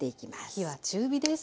火は中火です。